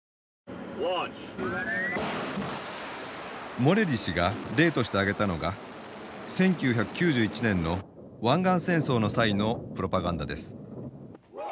モレリ氏が例として挙げたのが１９９１年の湾岸戦争の際のプロパガンダです。